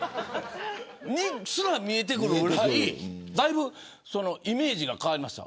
それにすら見えてくるぐらいイメージが変わりました。